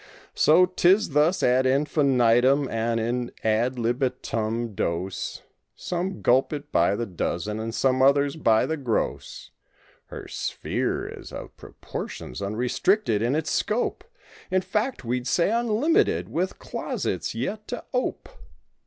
So 'tis thus ad infinitum and in ad libitum dose— Some gulp it by the dozen and some others by the gross. Her sphere is of proportions, unrestricted in its scope. In fact we'd say unlimited" with closets yet to ope.